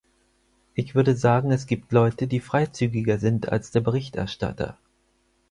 Ich würde sagen, es gibt Leute, die freizügiger sind als der Berichterstatter.